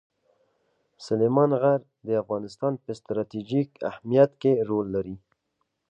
سلیمان غر د افغانستان په ستراتیژیک اهمیت کې رول لري.